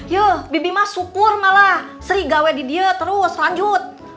yuh bibi mah syukur malah seri ga wedi dia terus lanjut